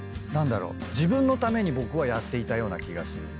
自分のために僕はやっていたような気がする。